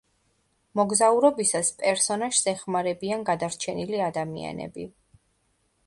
მოგზაურობისას პერსონაჟს ეხმარებიან გადარჩენილი ადამიანები.